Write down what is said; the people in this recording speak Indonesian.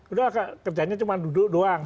udah kerjanya cuma duduk doang